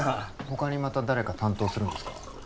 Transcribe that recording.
他にまた誰か担当するんですか？